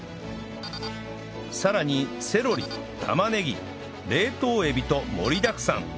さらにセロリ玉ねぎ冷凍エビと盛りだくさん